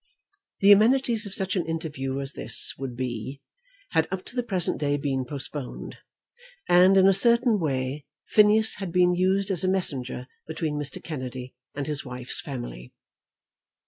The amenities of such an interview, as this would be, had up to the present day been postponed; and, in a certain way, Phineas had been used as a messenger between Mr. Kennedy and his wife's family.